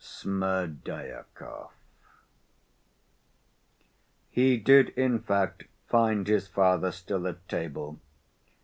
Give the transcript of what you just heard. Smerdyakov He did in fact find his father still at table.